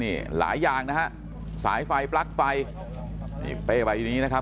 นี่หลายอย่างนะฮะสายไฟปลั๊กไฟนี่เป้ใบนี้นะครับ